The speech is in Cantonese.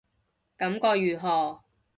感覺如何